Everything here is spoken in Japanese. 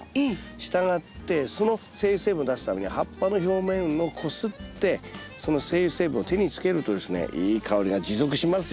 したがってその精油成分を出すためには葉っぱの表面をこすってその精油成分を手につけるとですねいい香りが持続しますよ。